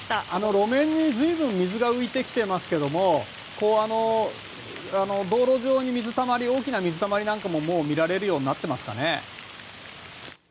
路面にずいぶん水が浮いてきてますけど道路上に大きな水たまりなんかも見られるようになっていますか。